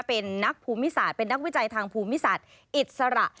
เป็นนักภูมิศาสตร์เป็นนักวิจัยทางภูมิศาสตร์อิสระ